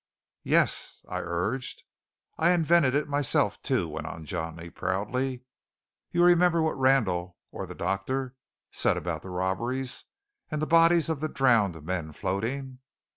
"Yes?" I urged. "I invented it myself, too," went on Johnny proudly. "You remember what Randall or the doctor said about the robberies, and the bodies of the drowned men floating?